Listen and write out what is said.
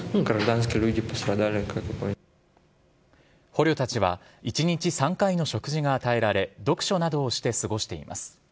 捕虜たちは一日３回の食事が与えられ読書などをして過ごしています。